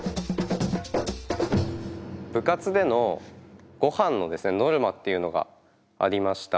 部活でのごはんのノルマっていうのがありました。